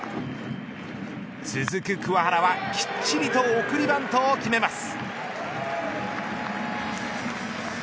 続く桑原はきっちりと送りバントを決めます。